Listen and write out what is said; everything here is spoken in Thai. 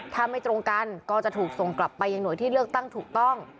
ถ้าไม่ตรงกันก็จะถูกส่งกลับไปยังหน่วยที่เลือกตั้งถูกต้อง